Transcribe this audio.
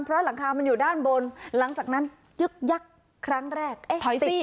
เพราะหลังคามันอยู่ด้านบนหลังจากนั้นยึกยักษ์ครั้งแรกเอ๊ะถอยติด